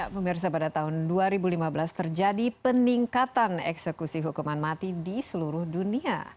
pemirsa pada tahun dua ribu lima belas terjadi peningkatan eksekusi hukuman mati di seluruh dunia